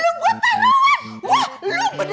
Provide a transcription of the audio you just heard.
lu buat taruhan